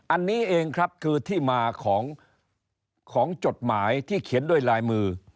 อันนี้เองครับคือที่มาของจดหมายที่เขียนด้วยลายมือ